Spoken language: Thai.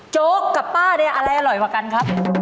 โจ๊กกับป้าเนี่ยอะไรอร่อยกว่ากันครับ